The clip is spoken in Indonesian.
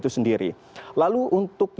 favoritas berk whitway dikaya oleh rumah sakit